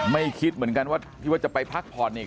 ไม่คิดเหมือนกันว่าที่ว่าจะไปพักผ่อนอีก